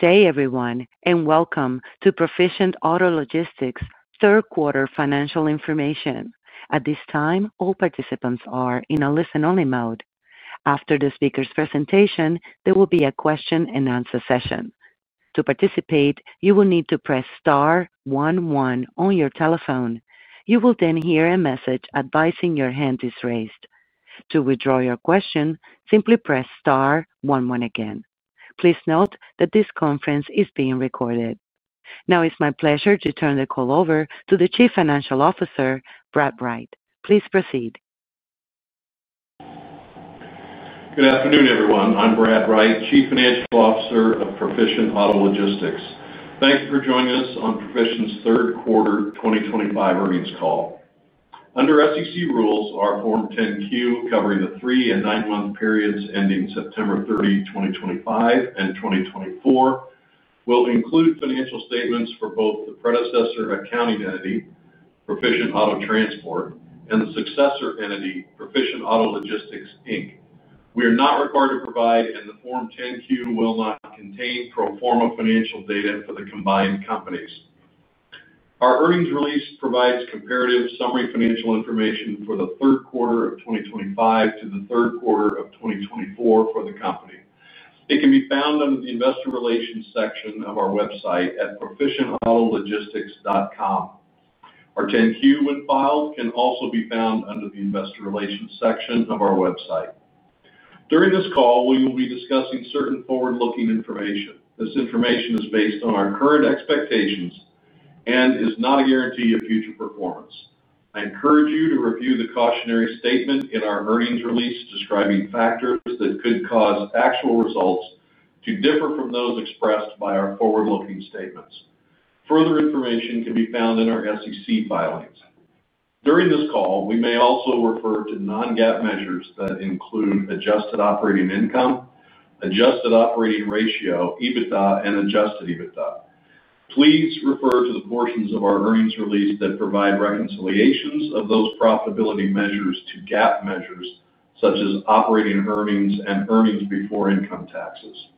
Today, everyone, and welcome to Proficient Auto Logistics' third-quarter financial information. At this time, all participants are in a listen-only mode. After the speaker's presentation, there will be a question-and-answer session. To participate, you will need to press star 11 on your telephone. You will then hear a message advising your hand is raised. To withdraw your question, simply press star 11 again. Please note that this conference is being recorded. Now, it's my pleasure to turn the call over to the Chief Financial Officer, Brad Wright. Please proceed. Good afternoon, everyone. I'm Brad Wright, Chief Financial Officer of Profient Auto Logistics. Thank you for joining us on Profient's third-quarter 2025 earnings call. Under SEC rules, our Form 10Q, covering the three and nine-month periods ending September 30, 2025, and 2024, will include financial statements for both the predecessor accounting entity, Profient Auto Transport, and the successor entity, Profient Auto Logistics. We are not required to provide, and the Form 10Q will not contain pro forma financial data for the combined companies. Our earnings release provides comparative summary financial information for the third quarter of 2025 to the third quarter of 2024 for the company. It can be found under the Investor Relations section of our website at proficientautologistics.com. Our 10Q when filed can also be found under the Investor Relations section of our website. During this call, we will be discussing certain forward-looking information. This information is based on our current expectations and is not a guarantee of future performance. I encourage you to review the cautionary statement in our earnings release describing factors that could cause actual results to differ from those expressed by our forward-looking statements. Further information can be found in our SEC filings. During this call, we may also refer to non-GAAP measures that include adjusted operating income, adjusted operating ratio, EBITDA, and adjusted EBITDA. Please refer to the portions of our earnings release that provide reconciliations of those profitability measures to GAAP measures, such as operating earnings and earnings before income taxes.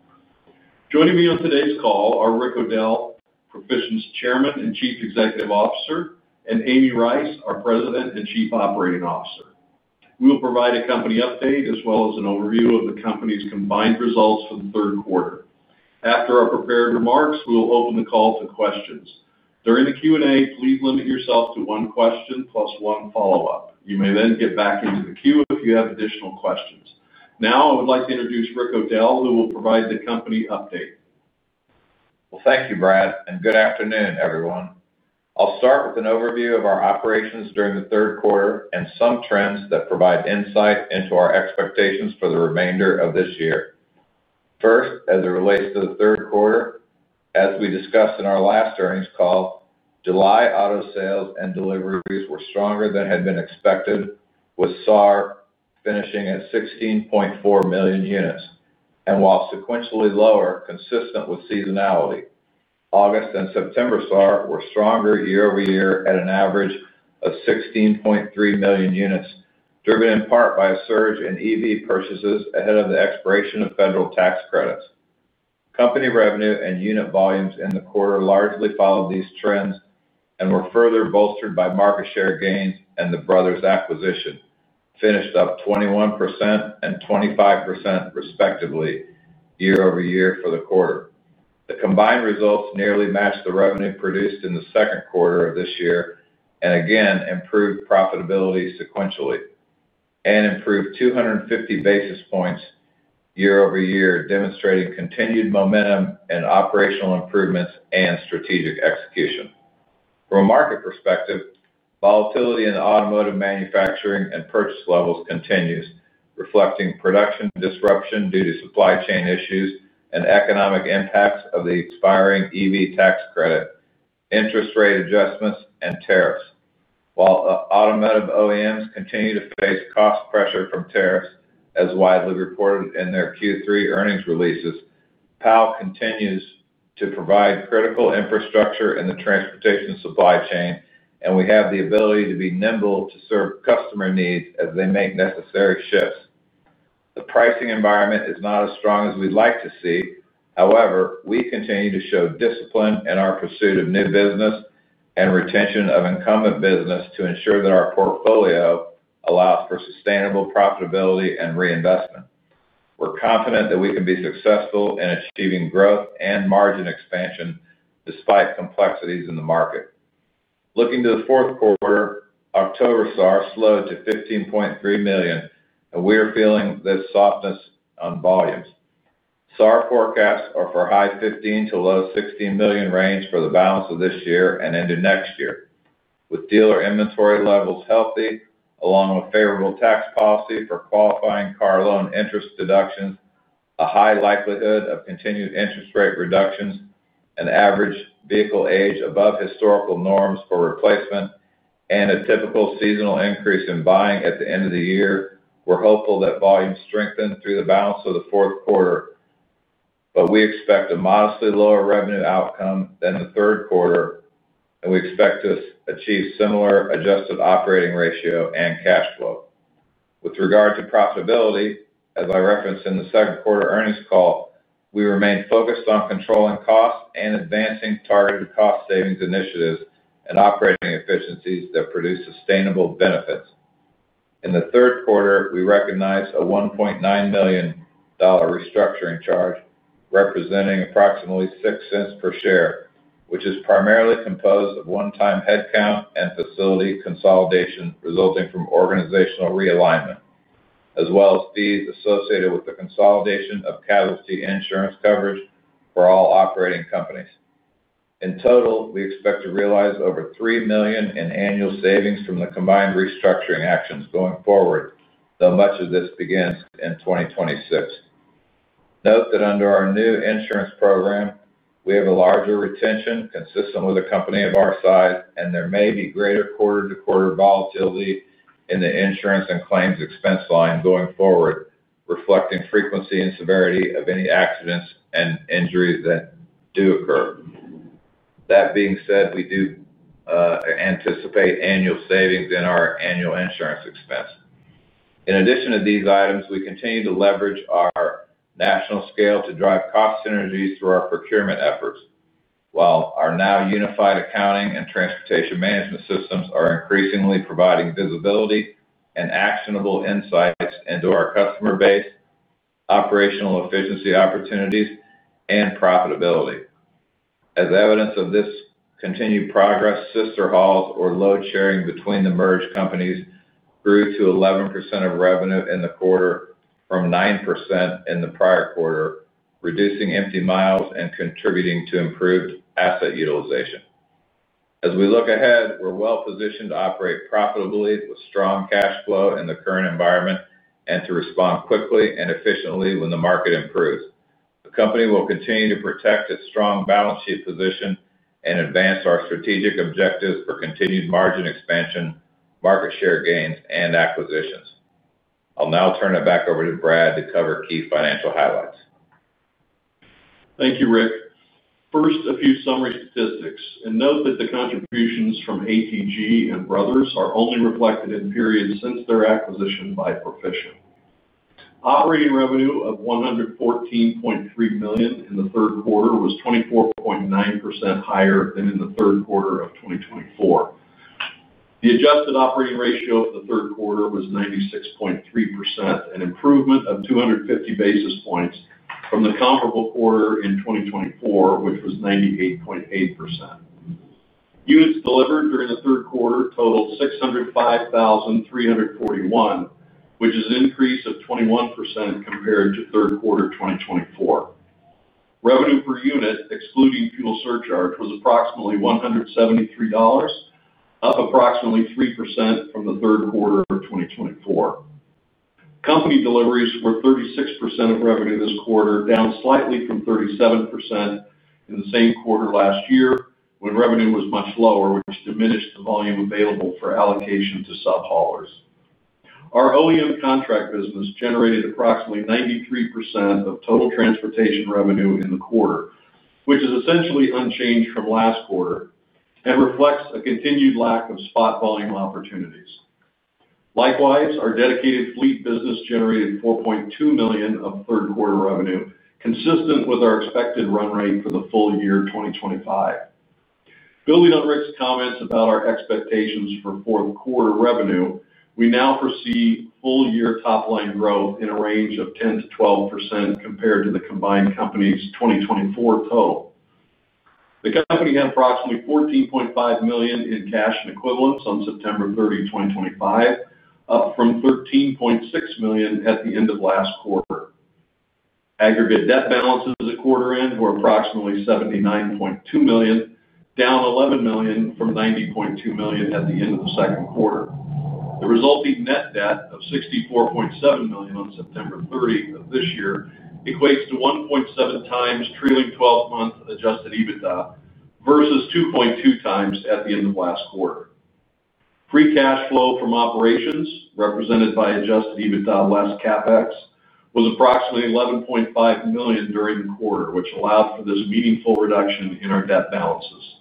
Joining me on today's call are Rick O'Dell, Profient's Chairman and Chief Executive Officer, and Amy Rice, our President and Chief Operating Officer. We will provide a company update as well as an overview of the company's combined results for the third quarter. After our prepared remarks, we will open the call to questions. During the Q&A, please limit yourself to one question plus one follow-up. You may then get back into the queue if you have additional questions. Now, I would like to introduce Rick O'Dell, who will provide the company update. Thank you, Brad, and good afternoon, everyone. I'll start with an overview of our operations during the third quarter and some trends that provide insight into our expectations for the remainder of this year. First, as it relates to the third quarter, as we discussed in our last earnings call, July auto sales and deliveries were stronger than had been expected, with SAR finishing at 16.4 million units, and while sequentially lower, consistent with seasonality, August and September SAR were stronger year over year at an average of 16.3 million units, driven in part by a surge in EV purchases ahead of the expiration of federal tax credits. Company revenue and unit volumes in the quarter largely followed these trends and were further bolstered by market share gains and the Brothers acquisition, finished up 21% and 25% respectively year over year for the quarter. The combined results nearly matched the revenue produced in the second quarter of this year and again improved profitability sequentially and improved 250 basis points year over year, demonstrating continued momentum in operational improvements and strategic execution. From a market perspective, volatility in automotive manufacturing and purchase levels continues, reflecting production disruption due to supply chain issues and economic impacts of the expiring EV tax credit, interest rate adjustments, and tariffs. While automotive OEMs continue to face cost pressure from tariffs, as widely reported in their Q3 earnings releases, Proficient Auto Logistics continues to provide critical infrastructure in the transportation supply chain, and we have the ability to be nimble to serve customer needs as they make necessary shifts. The pricing environment is not as strong as we'd like to see. However, we continue to show dis, cipline in our pursuit of new business and retention of incumbent business to ensure that our portfolio allows for sustainable profitability and reinvestment. We're confident that we can be successful in achieving growth and margin expansion despite complexities in the market. Looking to the fourth quarter, October SAR slowed to $15.3 million, and we are feeling this softness on volumes. SAR forecasts are for high $15 million-low $16 million range for the balance of this year and into next year, with dealer inventory levels healthy along with favorable tax policy for qualifying car loan interest deductions, a high likelihood of continued interest rate reductions, an average vehicle age above historical norms for replacement, and a typical seasonal increase in buying at the end of the year. We're hopeful that volumes strengthen through the balance of the fourth quarter, but we expect a modestly lower revenue outcome than the third quarter, and we expect to achieve similar adjusted operating ratio and cash flow. With regard to profitability, as I referenced in the second quarter earnings call, we remain focused on controlling costs and advancing targeted cost savings initiatives and operating efficiencies that produce sustainable benefits. In the third quarter, we recognize a $1.9 million restructuring charge representing approximately $0.06 per share, which is primarily composed of one-time headcount and facility consolidation resulting from organizational realignment, as well as fees associated with the consolidation of casualty insurance coverage for all operating companies. In total, we expect to realize over $3 million in annual savings from the combined restructuring actions going forward, though much of this begins in 2026. Note that under our new insurance program, we have a larger retention consistent with a company of our size, and there may be greater quarter-to-quarter volatility in the insurance and claims expense line going forward, reflecting frequency and severity of any accidents and injuries that do occur. That being said, we do anticipate annual savings in our annual insurance expense. In addition to these items, we continue to leverage our national scale to drive cost synergies through our procurement efforts, while our now unified accounting and transportation management systems are increasingly providing visibility and actionable insights into our customer base, operational efficiency opportunities, and profitability. As evidence of this continued progress, sister hauls or load sharing between the merged companies grew to 11% of revenue in the quarter from 9% in the prior quarter, reducing empty miles and contributing to improved asset utilization. As we look ahead, we're well-positioned to operate profitably with strong cash flow in the current environment and to respond quickly and efficiently when the market improves. The company will continue to protect its strong balance sheet position and advance our strategic objectives for continued margin expansion, market share gains, and acquisitions. I'll now turn it back over to Brad to cover key financial highlights. Thank you, Rick. First, a few summary statistics. Note that the contributions from ATG and Brothers are only reflected in periods since their acquisition by Proficient. Operating revenue of $114.3 million in the third quarter was 24.9% higher than in the third quarter of 2024. The adjusted operating ratio for the third quarter was 96.3%, an improvement of 250 basis points from the comparable quarter in 2024, which was 98.8%. Units delivered during the third quarter totaled 605,341, which is an increase of 21% compared to third quarter 2024. Revenue per unit, excluding fuel surcharge, was approximately $173, up approximately 3% from the third quarter of 2024. Company deliveries were 36% of revenue this quarter, down slightly from 37% in the same quarter last year when revenue was much lower, which diminished the volume available for allocation to subhaulers. Our OEM contract business generated approximately 93% of total transportation revenue in the quarter, which is essentially unchanged from last quarter and reflects a continued lack of spot volume opportunities. Likewise, our dedicated fleet business generated $4.2 million of third quarter revenue, consistent with our expected run rate for the full year 2025. Building on Rick's comments about our expectations for fourth quarter revenue, we now foresee full-year top-line growth in a range of 10%-12% compared to the combined company's 2024 total. The company had approximately $14.5 million in cash and equivalents on September 30, 2025, up from $13.6 million at the end of last quarter. Aggregate debt balances at quarter-end were approximately $79.2 million, down $11 million from $90.2 million at the end of the second quarter. The resulting net debt of $64.7 million on September 30 of this year equates to 1.7x trailing 12-month adjusted EBITDA versus 2.2x at the end of last quarter. Free cash flow from operations, represented by adjusted EBITDA less CapEx, was approximately $11.5 million during the quarter, which allowed for this meaningful reduction in our debt balances.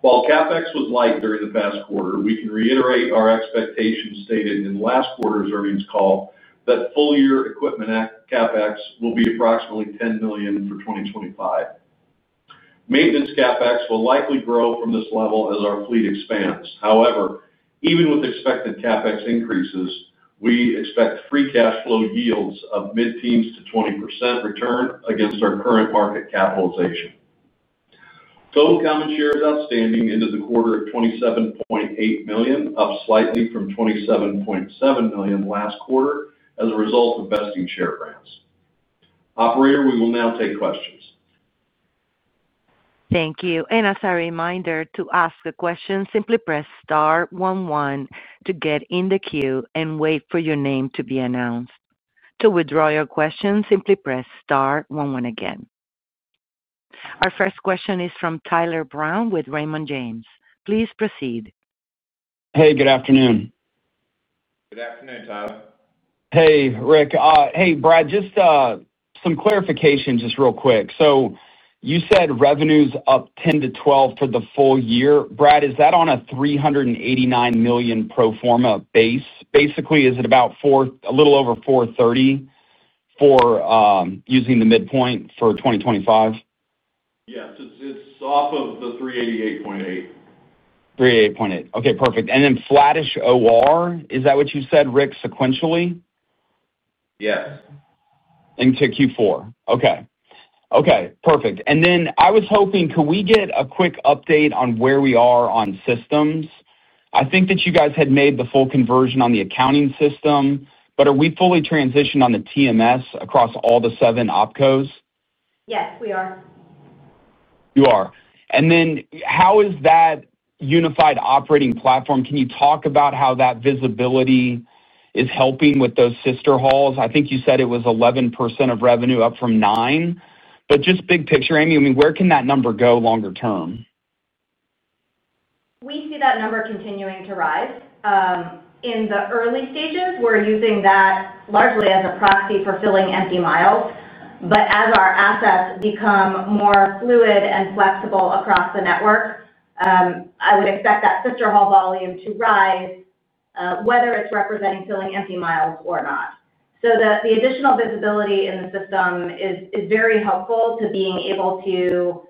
While CapEx was light during the past quarter, we can reiterate our expectations stated in last quarter's earnings call that full-year equipment CapEx will be approximately $10 million for 2025. Maintenance CapEx will likely grow from this level as our fleet expands. However, even with expected CapEx increases, we expect free cash flow yields of mid-teens to 20% return against our current market capitalization. Total common shares outstanding into the quarter at 27.8 million, up slightly from 27.7 million last quarter as a result of vesting share grants. Operator, we will now take questions. Thank you. As a reminder, to ask a question, simply press star 11 to get in the queue and wait for your name to be announced. To withdraw your question, simply press star 11 again. Our first question is from Tyler Brown with Raymond James. Please proceed. Hey, good afternoon. Good afternoon, Tyler. Hey, Rick. Hey, Brad, just some clarifications, just real quick. So you said revenues up 10-12% for the full year. Brad, is that on a $389 million pro forma base? Basically, is it about a little over $430 million if using the midpoint for 2025? Yes. It's off of the $388.8. 388.8. Okay. Perfect. Flattish OR, is that what you said, Rick, sequentially? Yes. Into Q4. Okay. Okay. Perfect. I was hoping, could we get a quick update on where we are on systems? I think that you guys had made the full conversion on the accounting system, but are we fully transitioned on the TMS across all the seven OpCos? Yes, we are. You are. How is that unified operating platform? Can you talk about how that visibility is helping with those sister hauls? I think you said it was 11% of revenue, up from 9%. Big picture, Amy, where can that number go longer term? We see that number continuing to rise. In the early stages, we're using that largely as a proxy for filling empty miles. As our assets become more fluid and flexible across the network, I would expect that sister haul volume to rise, whether it's representing filling empty miles or not. The additional visibility in the system is very helpful to being able to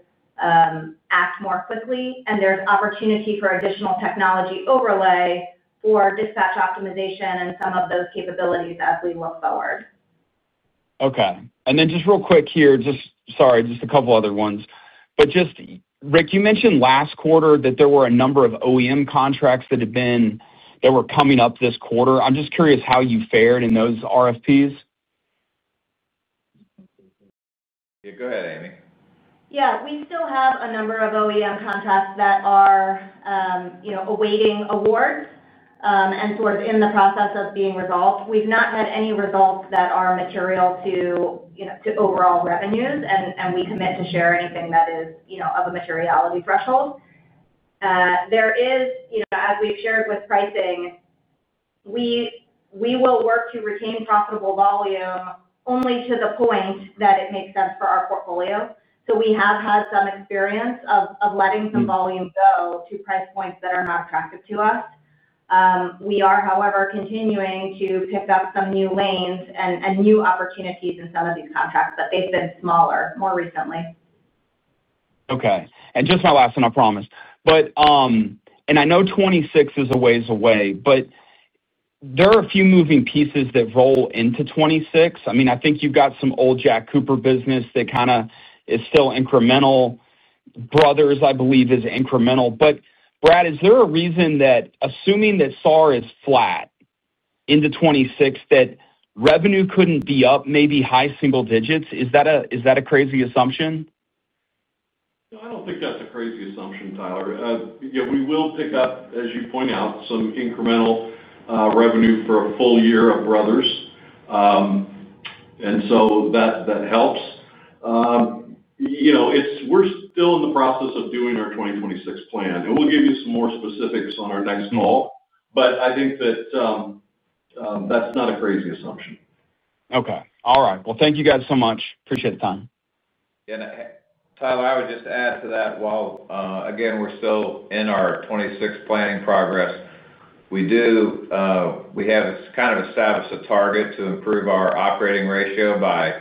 act more quickly, and there's opportunity for additional technology overlay for dispatch optimization and some of those capabilities as we look forward. Okay. And then just real quick here, just sorry, just a couple other ones. Rick, you mentioned last quarter that there were a number of OEM contracts that were coming up this quarter. I'm just curious how you fared in those RFPs. Yeah. Go ahead, Amy. Yeah. We still have a number of OEM contracts that are awaiting awards and sort of in the process of being resolved. We've not had any results that are material to overall revenues, and we commit to share anything that is of a materiality threshold. There is, as we've shared with pricing, we will work to retain profitable volume only to the point that it makes sense for our portfolio. So we have had some experience of letting some volume go to price points that are not attractive to us. We are, however, continuing to pick up some new lanes and new opportunities in some of these contracts, but they've been smaller more recently. Okay. Just my last one, I promise. I know 2026 is a ways away, but there are a few moving pieces that roll into 2026. I mean, I think you've got some old Jack Cooper business that kind of is still incremental. Brothers, I believe, is incremental. Brad, is there a reason that, assuming that SAR is flat into 2026, that revenue could not be up maybe high single digits? Is that a crazy assumption? No, I don't think that's a crazy assumption, Tyler. We will pick up, as you point out, some incremental revenue for a full year of Brothers. That helps. We're still in the process of doing our 2026 plan. We'll give you some more specifics on our next call, but I think that that's not a crazy assumption. Okay. All right. Thank you guys so much. Appreciate the time. Tyler, I would just add to that, while again, we're still in our 2026 planning progress, we have kind of established a target to improve our operating ratio by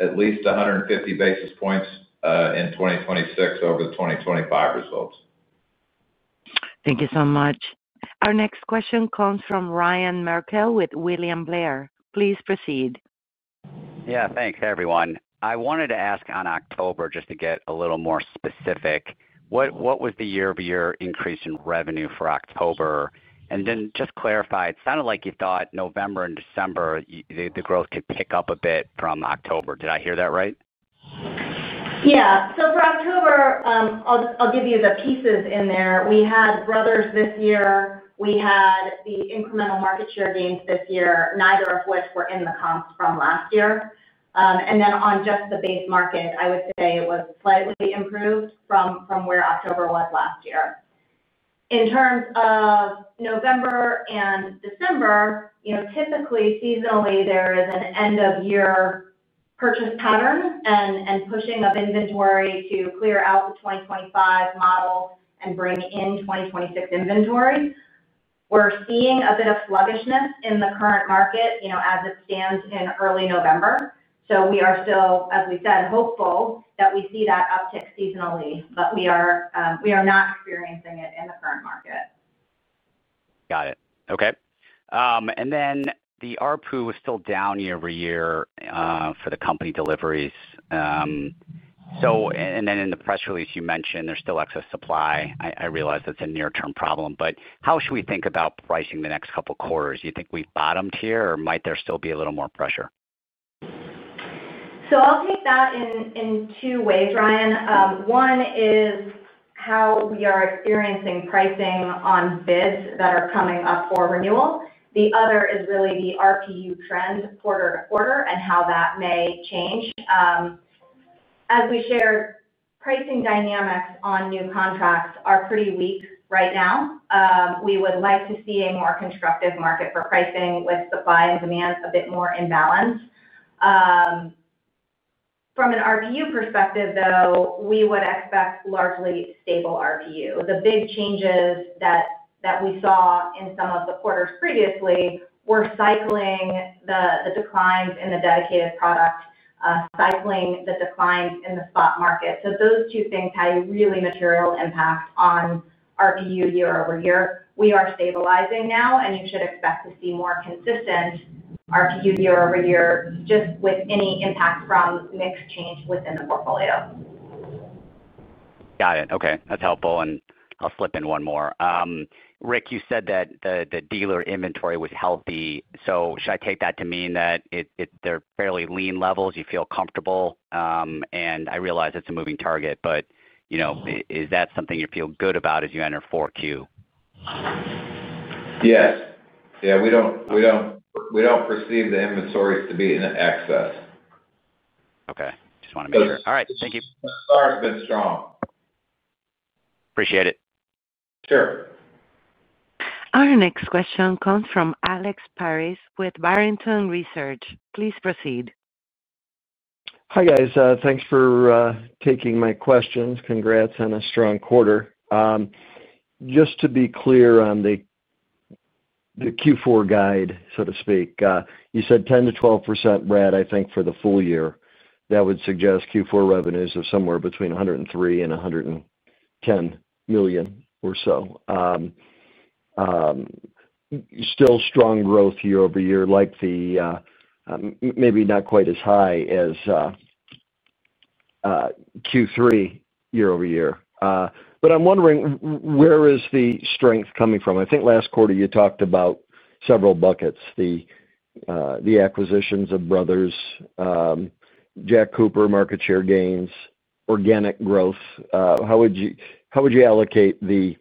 at least 150 basis points in 2026 over the 2025 results. Thank you so much. Our next question comes from Ryan Merkel with William Blair. Please proceed. Yeah. Thanks, everyone. I wanted to ask on October just to get a little more specific. What was the year-over-year increase in revenue for October? And then just clarify, it sounded like you thought November and December, the growth could pick up a bit from October. Did I hear that right? Yeah. For October, I'll give you the pieces in there. We had Brothers this year. We had the incremental market share gains this year, neither of which were in the comps from last year. On just the base market, I would say it was slightly improved from where October was last year. In terms of November and December, typically, seasonally, there is an end-of-year purchase pattern and pushing of inventory to clear out the 2025 model and bring in 2026 inventory. We're seeing a bit of sluggishness in the current market as it stands in early November. We are still, as we said, hopeful that we see that uptick seasonally, but we are not experiencing it in the current market. Got it. Okay. The ARPU was still down year-over-year for the company deliveries. In the press release, you mentioned there is still excess supply. I realize that is a near-term problem, but how should we think about pricing the next couple of quarters? Do you think we have bottomed here, or might there still be a little more pressure? I'll take that in two ways, Ryan. One is how we are experiencing pricing on bids that are coming up for renewal. The other is really the RPU trend quarter to quarter and how that may change. As we shared, pricing dynamics on new contracts are pretty weak right now. We would like to see a more constructive market for pricing with supply and demand a bit more in balance. From an RPU perspective, though, we would expect largely stable RPU. The big changes that we saw in some of the quarters previously were cycling the declines in the dedicated product, cycling the declines in the spot market. Those two things have really material impact on RPU year-over-year. We are stabilizing now, and you should expect to see more consistent RPU year-over-year just with any impact from mixed change within the portfolio. Got it. Okay. That's helpful. I'll slip in one more. Rick, you said that the dealer inventory was healthy. Should I take that to mean that they're fairly lean levels, you feel comfortable? I realize it's a moving target, but is that something you feel good about as you enter Q4? Yes. Yeah. We do not perceive the inventories to be in excess. Okay. Just wanted to make sure. All right. Thank you. SAR has been strong. Appreciate it. Sure. Our next question comes from Alex Paris with Barrington Research. Please proceed. Hi guys. Thanks for taking my questions. Congrats on a strong quarter. Just to be clear on the Q4 guide, so to speak, you said 10%-12%, Brad, I think, for the full year. That would suggest Q4 revenues of somewhere between $103 million-$110 million or so. Still strong growth year-over-year, like the maybe not quite as high as Q3 year-over-year. I'm wondering, where is the strength coming from? I think last quarter you talked about several buckets: the acquisitions of Brothers, Jack Cooper market share gains, organic growth. How would you allocate the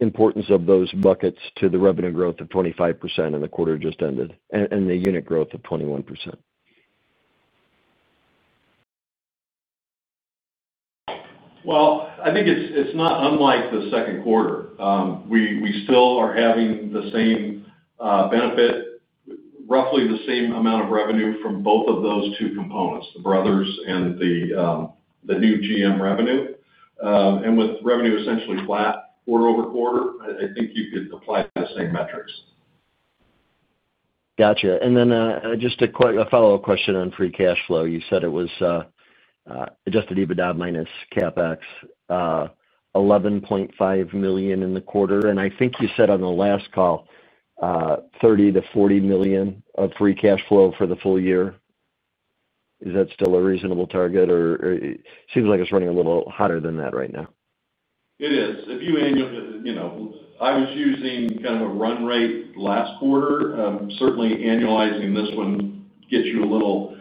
importance of those buckets to the revenue growth of 25% in the quarter just ended and the unit growth of 21%? I think it's not unlike the second quarter. We still are having the same benefit, roughly the same amount of revenue from both of those two components, the Brothers and the new GM revenue. With revenue essentially flat quarter over quarter, I think you could apply the same metrics. Gotcha. And then just a follow-up question on free cash flow. You said it was adjusted EBITDA minus CapEx, $11.5 million in the quarter. And I think you said on the last call, $30 million- $40 million of free cash flow for the full year. Is that still a reasonable target, or it seems like it's running a little hotter than that right now? It is. If you annual, I was using kind of a run rate last quarter. Certainly, annualizing this one gets you a little,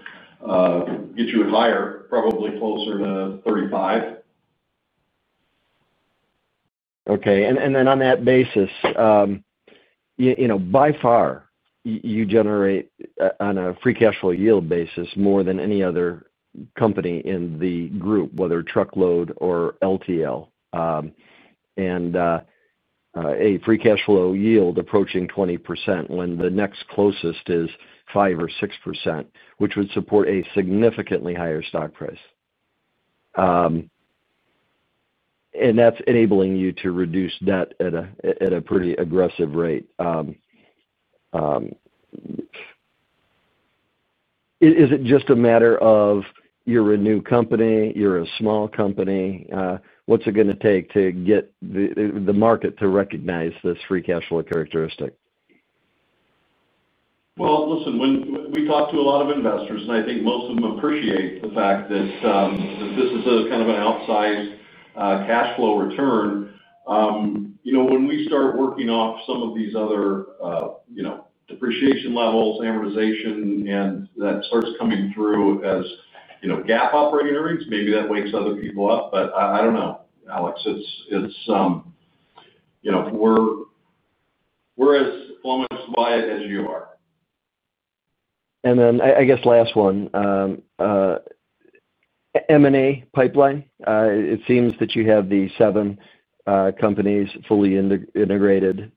gets you higher, probably closer to 35. Okay. On that basis, by far, you generate on a free cash flow yield basis more than any other company in the group, whether truckload or LTL, and a free cash flow yield approaching 20% when the next closest is 5% or 6%, which would support a significantly higher stock price. That is enabling you to reduce debt at a pretty aggressive rate. Is it just a matter of you're a new company, you're a small company? What's it going to take to get the market to recognize this free cash flow characteristic? Listen, we talked to a lot of investors, and I think most of them appreciate the fact that this is kind of an outsized cash flow return. When we start working off some of these other depreciation levels, amortization, and that starts coming through as GAAP operating earnings, maybe that wakes other people up. I do not know, Alex. We are as flummoxed by it as you are. I guess last one, M&A pipeline. It seems that you have the seven companies fully integrated.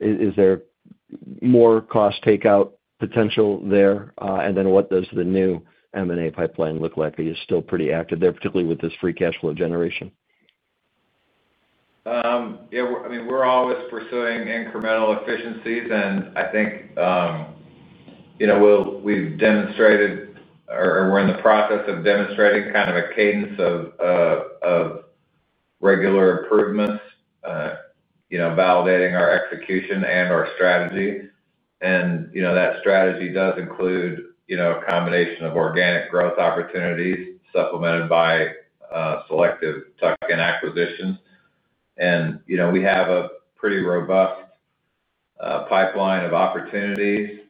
Is there more cost takeout potential there? What does the new M&A pipeline look like? Are you still pretty active there, particularly with this free cash flow generation? Yeah. I mean, we're always pursuing incremental efficiencies, and I think we've demonstrated or we're in the process of demonstrating kind of a cadence of regular improvements, validating our execution and our strategy. That strategy does include a combination of organic growth opportunities supplemented by selective tuck-in acquisitions. We have a pretty robust pipeline of opportunities.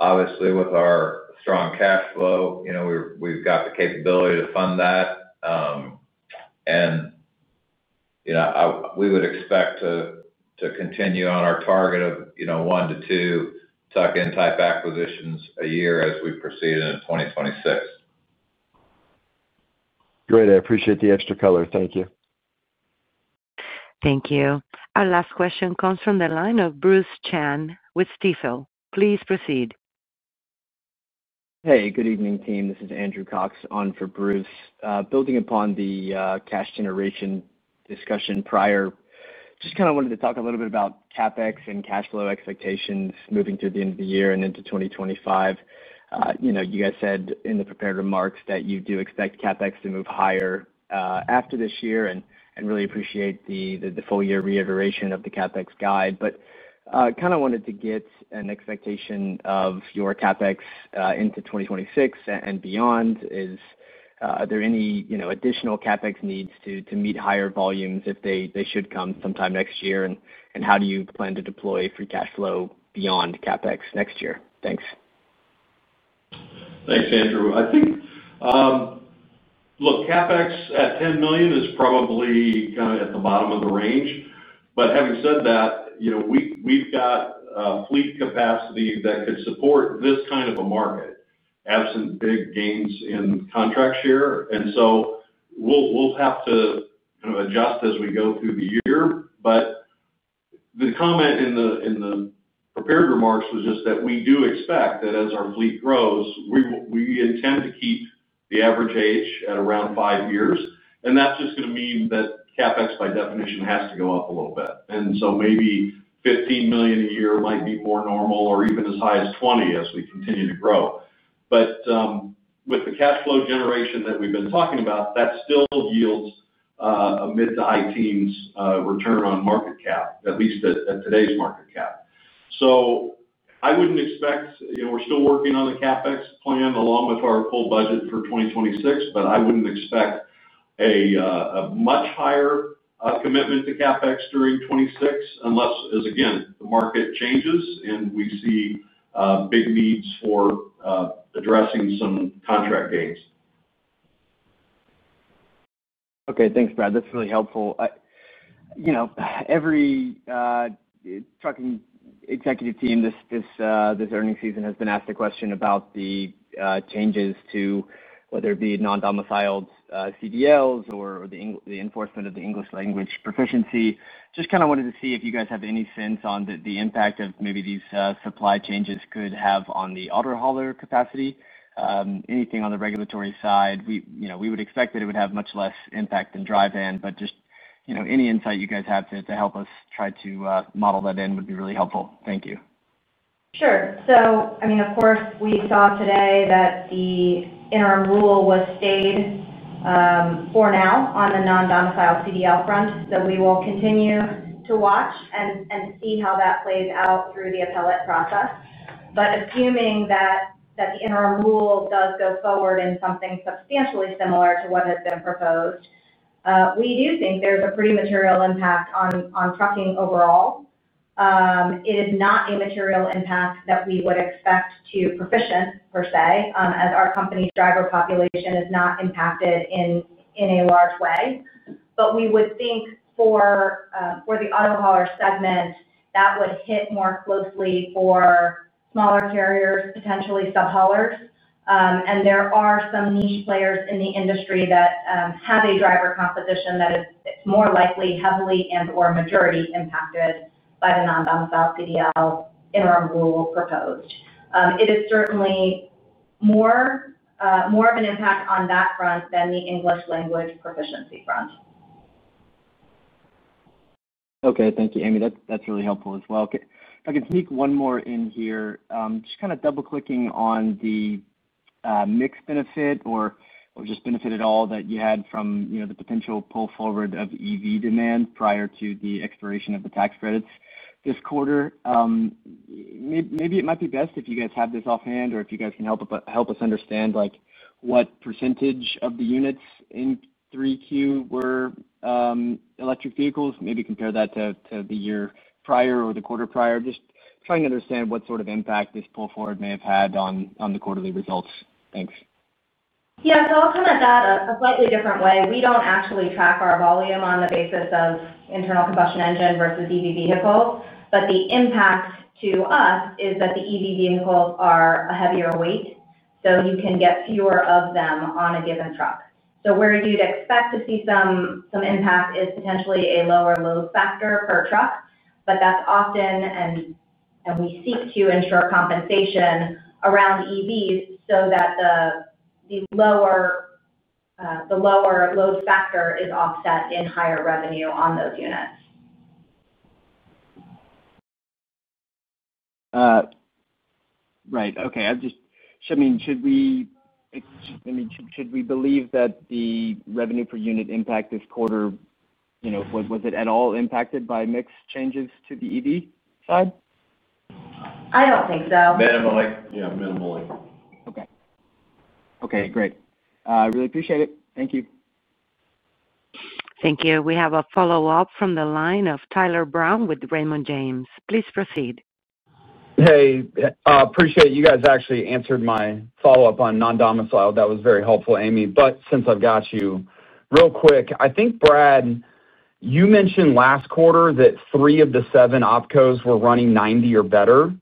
Obviously, with our strong cash flow, we've got the capability to fund that. We would expect to continue on our target of one to two tuck-in type acquisitions a year as we proceed into 2026. Great. I appreciate the extra color. Thank you. Thank you. Our last question comes from the line of Bruce Chan with Stifel. Please proceed. Hey, good evening, team. This is Andrew Cox on for Bruce. Building upon the cash generation discussion prior, just kind of wanted to talk a little bit about CapEx and cash flow expectations moving through the end of the year and into 2025. You guys said in the prepared remarks that you do expect CapEx to move higher after this year and really appreciate the full year reiteration of the CapEx guide. Kind of wanted to get an expectation of your CapEx into 2026 and beyond. Are there any additional CapEx needs to meet higher volumes if they should come sometime next year? How do you plan to deploy free cash flow beyond CapEx next year? Thanks. Thanks, Andrew. I think, look, CapEx at $10 million is probably kind of at the bottom of the range. Having said that, we've got fleet capacity that could support this kind of a market, absent big gains in contract share. We will have to kind of adjust as we go through the year. The comment in the prepared remarks was just that we do expect that as our fleet grows, we intend to keep the average age at around five years. That is just going to mean that CapEx by definition has to go up a little bit. Maybe $15 million a year might be more normal or even as high as $20 million as we continue to grow. With the cash flow generation that we've been talking about, that still yields a mid-to-high teens return on market cap, at least at today's market cap. I would not expect—we are still working on the CapEx plan along with our full budget for 2026, but I would not expect a much higher commitment to CapEx during 2026 unless, again, the market changes and we see big needs for addressing some contract gains. Okay. Thanks, Brad. That's really helpful. Every trucking executive team this earnings season has been asked a question about the changes to whether it be non-domiciled CDLs or the enforcement of the English language proficiency. Just kind of wanted to see if you guys have any sense on the impact of maybe these supply changes could have on the autohauler capacity. Anything on the regulatory side, we would expect that it would have much less impact than dry van, but just any insight you guys have to help us try to model that in would be really helpful. Thank you. Sure. I mean, of course, we saw today that the interim rule was stayed for now on the non-domiciled CDL front. We will continue to watch and see how that plays out through the appellate process. Assuming that the interim rule does go forward in something substantially similar to what has been proposed, we do think there is a pretty material impact on trucking overall. It is not a material impact that we would expect to Proficient per se, as our company's driver population is not impacted in a large way. We would think for the autohauler segment, that would hit more closely for smaller carriers, potentially subhaulers. There are some niche players in the industry that have a driver composition that is more likely heavily and/or majority impacted by the non-domiciled CDL interim rule proposed. It is certainly more of an impact on that front than the English language proficiency front. Okay. Thank you, Amy. That is really helpful as well. I can sneak one more in here. Just kind of double-clicking on the mixed benefit or just benefit at all that you had from the potential pull forward of EV demand prior to the expiration of the tax credits this quarter. Maybe it might be best if you guys have this offhand or if you guys can help us understand what percentage of the units in 3Q were electric vehicles. Maybe compare that to the year prior or the quarter prior. Just trying to understand what sort of impact this pull forward may have had on the quarterly results. Thanks. Yeah. I'll come at that a slightly different way. We don't actually track our volume on the basis of internal combustion engine versus EV vehicles. The impact to us is that the EV vehicles are a heavier weight, so you can get fewer of them on a given truck. Where you'd expect to see some impact is potentially a lower load factor per truck, but that's often, and we seek to ensure compensation around EVs so that the lower load factor is offset in higher revenue on those units. Right. Okay. I mean, should we believe that the revenue per unit impact this quarter, was it at all impacted by mixed changes to the EV side? I don't think so. Minimally. Yeah, minimally. Okay. Okay. Great. I really appreciate it. Thank you. Thank you. We have a follow-up from the line of Tyler Brown with Raymond James. Please proceed. Hey. Appreciate you guys actually answered my follow-up on non-domicile. That was very helpful, Amy. Since I've got you, real quick, I think, Brad, you mentioned last quarter that three of the seven OpCos were running 90 or better.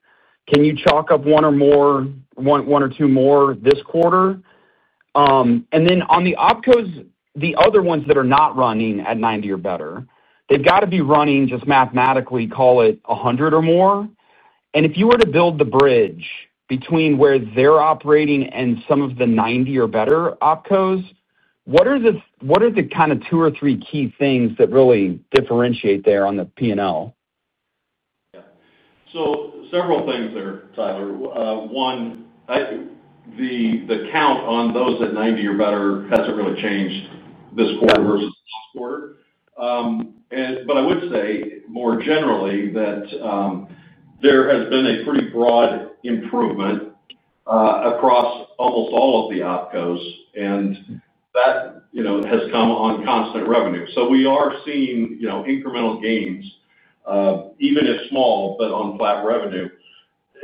Can you chalk up one or two more this quarter? On the OpCos, the other ones that are not running at 90 or better, they've got to be running, just mathematically, call it 100 or more. If you were to build the bridge between where they're operating and some of the 90 or better OpCos, what are the kind of two or three key things that really differentiate there on the P&L? Yeah. So several things there, Tyler. One, the count on those at 90 or better has not really changed this quarter versus last quarter. I would say more generally that there has been a pretty broad improvement across almost all of the OpCos, and that has come on constant revenue. We are seeing incremental gains, even if small, but on flat revenue.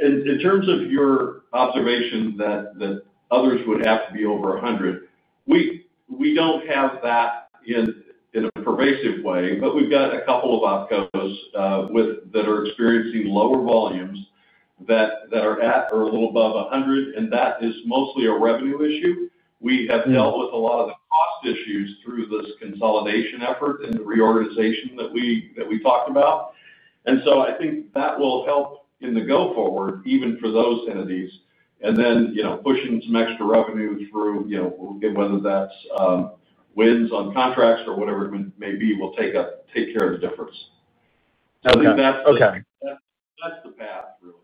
In terms of your observation that others would have to be over 100, we do not have that in a pervasive way, but we have got a couple of OpCos that are experiencing lower volumes that are at or a little above 100, and that is mostly a revenue issue. We have dealt with a lot of the cost issues through this consolidation effort and the reorganization that we talked about. I think that will help in the go-forward, even for those entities, and then pushing some extra revenue through, whether that's wins on contracts or whatever it may be, will take care of the difference. That is the path, really.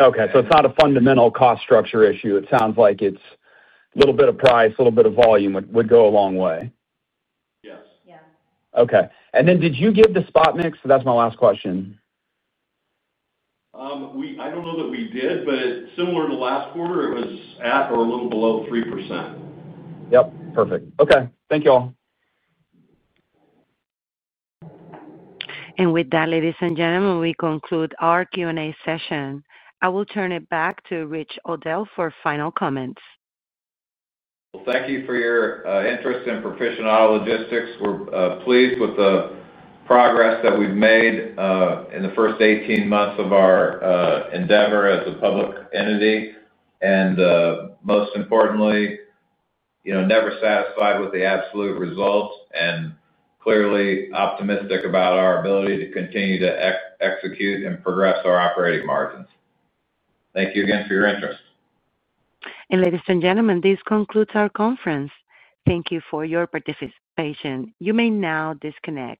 Okay. So it's not a fundamental cost structure issue. It sounds like it's a little bit of price, a little bit of volume would go a long way. Yes. Yeah. Okay. Did you give the spot mix? That's my last question. I don't know that we did, but similar to last quarter, it was at or a little below 3%. Yep. Perfect. Okay. Thank you all. With that, ladies and gentlemen, we conclude our Q&A session. I will turn it back to Rick O'Dell for final comments. Thank you for your interest in Proficient Auto Logistics. We're pleased with the progress that we've made in the first 18 months of our endeavor as a public entity. Most importantly, never satisfied with the absolute result and clearly optimistic about our ability to continue to execute and progress our operating margins. Thank you again for your interest. Ladies and gentlemen, this concludes our conference. Thank you for your participation. You may now disconnect.